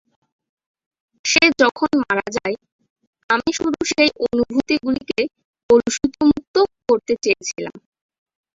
সে যখন মারা যায়, আমি শুধু সেই অনুভূতি গুলিকে কলুষিত মুক্ত করতে চেয়েছিলাম।